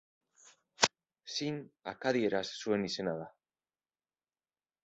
Sin, akadieraz zuen izena da.